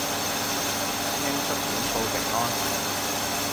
師兄出片報平安